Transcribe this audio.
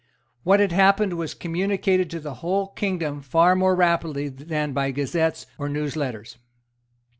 What had happened was communicated to the whole kingdom far more rapidly than by gazettes or news letters.